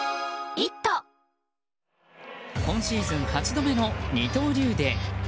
今シーズン８度目の二刀流デー。